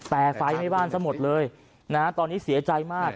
แต่ไฟไหม้บ้านซะหมดเลยตอนนี้เสียใจมาก